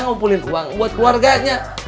ngumpulin uang buat keluarganya